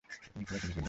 তিনি ঠেলাঠেলি করলেন।